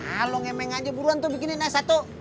ah lo ngemeng aja buruan tuh bikinin s satu